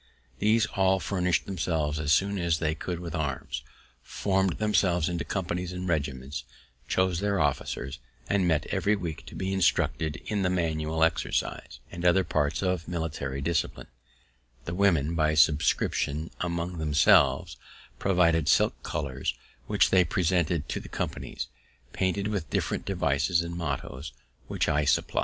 These all furnished themselves as soon as they could with arms, formed themselves into companies and regiments, chose their own officers, and met every week to be instructed in the manual exercise, and other parts of military discipline. The women, by subscriptions among themselves, provided silk colours, which they presented to the companies, painted with different devices and mottos, which I supplied. [Illustration: One of the flags of the Pennsylvania Association, 1747.